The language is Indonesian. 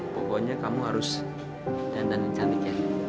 pokoknya kamu harus dandani caniknya